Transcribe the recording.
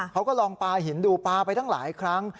เขาก็ลองปลาหินดูปลาไปตั้งหลายครั้ง